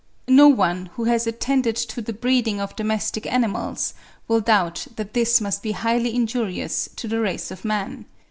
No one who has attended to the breeding of domestic animals will doubt that this must be highly injurious to the race of man.